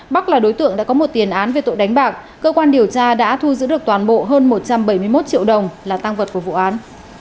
bắc là đối tượng đã có một tiền án về tội đánh bạc cơ quan điều tra đã thu giữ được toàn bộ hơn một trăm bảy mươi một triệu đồng là tăng vật của vụ án